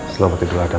selamat tidur atta